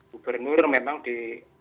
gubernur memang di